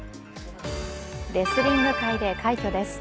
レスリング界で快挙です。